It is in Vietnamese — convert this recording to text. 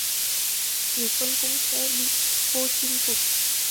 Thì quân cũng sẽ bị cô chinh phục